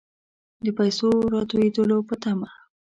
د پیسو راتوېدلو په طمع.